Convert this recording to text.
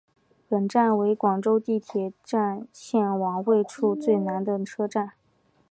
本站为广州地铁线网位处最南的车站。